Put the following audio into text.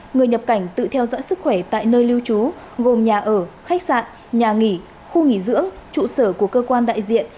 người nhập cảnh tự theo dõi sức khỏe tại nơi lưu trú gồm nhà ở khách sạn nhà nghỉ khu nghỉ dưỡng trụ sở của cơ quan đại diện